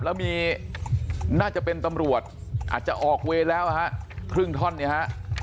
แล้วมีน่าจะเป็นตำรวจอาจจะออกเวรแล้วฮะครึ่งท่อนเนี่ยฮะ